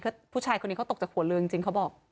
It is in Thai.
ถ้าผู้ชายคนนี้เขาตกจากหัวเรือจริงเขาบอก